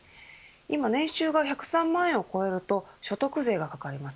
今年収が１０３万円を超えると所得税がかかります。